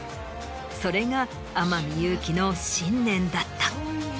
それが天海祐希の信念だった。